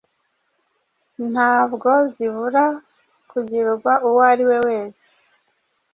ntabwo zibura kugirwa uwo ariwe wese